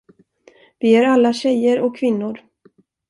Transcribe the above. Vi är alla tjejer och kvinnor.